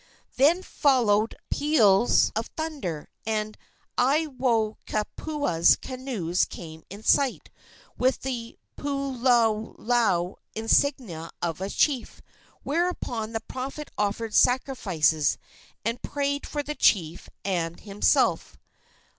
Then followed peals of thunder, and Aiwohikupua's canoes came in sight, with the puloulou insignia of a chief; whereupon the prophet offered sacrifices, and prayed for the chief and himself.